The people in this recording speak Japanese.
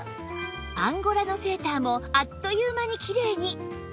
アンゴラのセーターもあっという間にキレイに